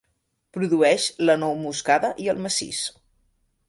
Produeix la nou moscada i el macís.